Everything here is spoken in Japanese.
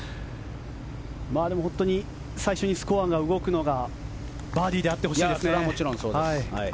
でも、本当に最初にスコアが動くのがバーディーであってほしいですね。